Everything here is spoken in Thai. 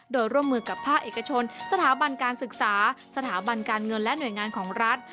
โดยร่วมมือกับภาคเอกชนสถาบันการศึกษาสถาบันการเงินและหน่วยงานของรัฐ